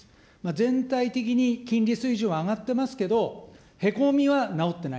全体的に金利水準は上がってますけど、へこみは直ってない。